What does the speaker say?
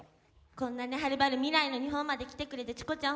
こんなにはるばる未来の日本まで来てくれてチコちゃん